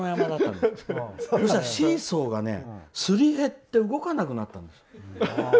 そうするとシーソーが磨り減って動かなくなったんです。